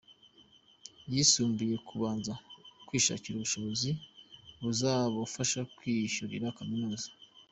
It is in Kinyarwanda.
yisumbuye kubanza kwishakira ubushobozi buzarufasha kwiyishyurira kaminuza.